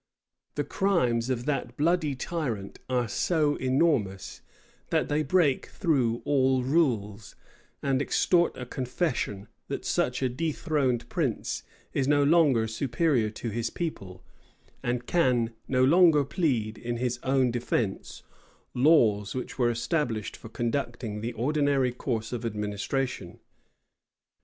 The crimes of that bloody tyrant are so enormous, that they break through all rules; and extort a confession, that such a dethroned prince is no longer superior to his people, and can no longer plead, in his own defence, laws which were established for conducting the ordinary course of administration.